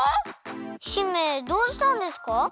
姫どうしたんですか？